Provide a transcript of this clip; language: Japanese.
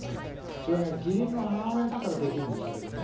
それが義理の母親だからできるんでしょうけどね。